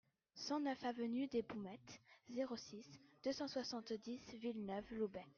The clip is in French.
cent neuf avenue des Baumettes, zéro six, deux cent soixante-dix Villeneuve-Loubet